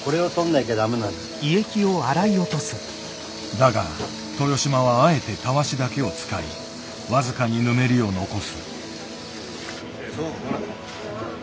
だが豊島はあえてタワシだけを使い僅かにぬめりを残す。